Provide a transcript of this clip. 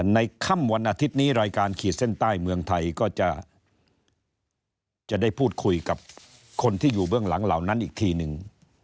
ในค่ำวันอาทิตย์นี้รายการขีดเส้นใต้เมืองไทยก็จะได้พูดคุยกับคนที่อยู่เบื้องหลังเหล่านั้นอีกทีหนึ่ง